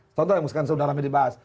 contohnya yang sudah rame dibahas